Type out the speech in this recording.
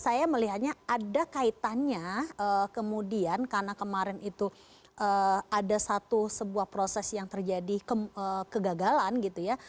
saya melihatnya ada kaitannya kemudian karena kemarin itu ada satu sebuah proses yang terjadi kegagalan gitu ya